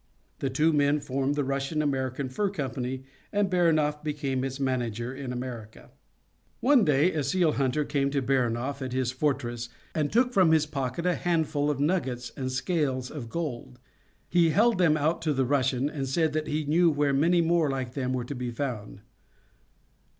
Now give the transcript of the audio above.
The two men formed the Russian American Fur Company, and Baranof became its manager in America. One day a seal hunter came to Baranof at his fortress, and took from his pocket a handful of nuggets and scales of gold. He held them out to the Russian, and said that he knew where many more like them were to be found.